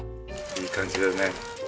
いい感じだね。